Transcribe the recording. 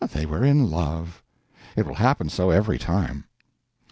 They were in love. It will happen so every time.